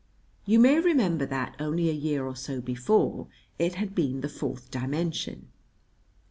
You may remember that, only a year or so before, it had been the fourth dimension.